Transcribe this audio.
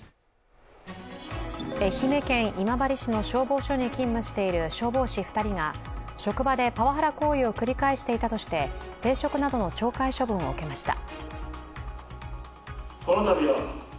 愛媛県今治市の消防署に勤務している消防士２人が職場でパワハラ行為を繰り返していたとして停職などの懲戒処分を受けました。